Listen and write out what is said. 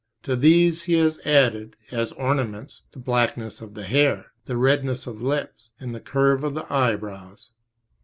To these He has added, as ornaments, the blackness of the hair, the redness of lips, and the curve of the eyebrows.